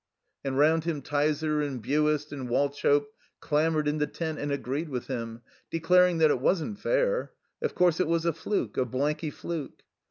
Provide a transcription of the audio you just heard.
And round him Tyser and Buist and Wauchope clamored in the tent and agreed with him, declaring that it wasn't fair. Of course it was a fluke, a blanky fluke.